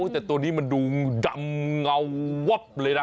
แต่ตัวนี้มันดูดำเงาวับเลยนะ